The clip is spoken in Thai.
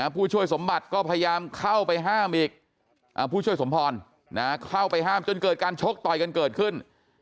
ผู้ช่วยสมบัติก็พยายามเข้าไปห้ามอีกผู้ช่วยสมพรเข้าไปห้ามจนเกิดการชกต่อยกันเกิดขึ้น